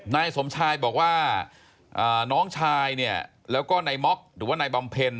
นายสมชายบอกว่าน้องชายเนี่ยแล้วก็นายม็อกหรือว่านายบำเพ็ญ